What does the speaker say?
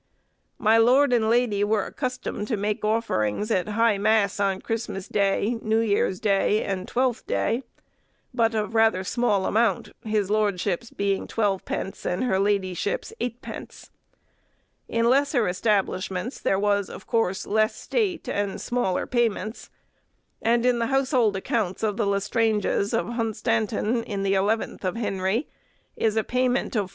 My lord and lady were accustomed to make offerings at high mass on Christmas Day, New Year's Day, and Twelfth Day; but of rather small amount, his lordship's being 12_d._ and her ladyship's 8_d._ In lesser establishments there was, of course, less state and smaller payments; and in the household accounts of the Lestranges of Hunstanton, in the eleventh of Henry, is a payment of 4_d.